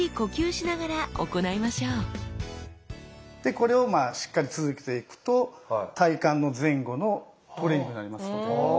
これをしっかり続けていくと体幹の前後のトレーニングになりますので。